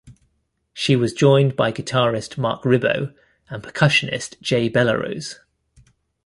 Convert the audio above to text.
She was joined by guitarist Marc Ribot and percussionist Jay Bellerose.